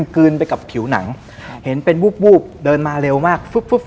ลืนไปกับผิวหนังเห็นเป็นวูบเดินมาเร็วมาก